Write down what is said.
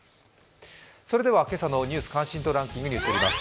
それでは今朝の「ニュース関心度ランキング」にまいります。